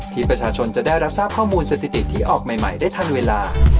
ที่ประชาชนจะได้รับทราบข้อมูลสถิติที่ออกใหม่ได้ทันเวลา